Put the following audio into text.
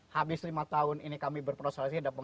habis lima tahun ini kami berproses